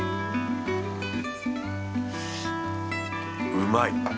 うまい。